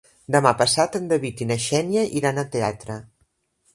Demà passat en David i na Xènia iran al teatre.